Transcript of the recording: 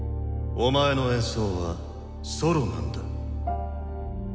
お前の演奏はソロなんだ。